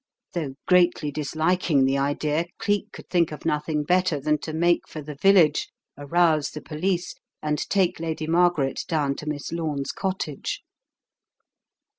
Though greatly dis liking the idea, Cleek could think of nothing better than to make for the village, arouse the police, and take Lady Margaret down to Miss Lome's cottage.